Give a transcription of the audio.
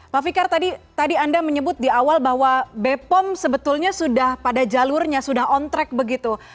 pak fikar tadi anda menyebut di awal bahwa bepom sebetulnya sudah pada jalurnya sudah on track begitu